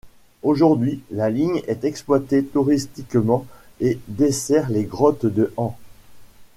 Aujourd'hui, la ligne est exploitée touristiquement et dessert les Grottes de Han.